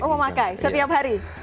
oh memakai setiap hari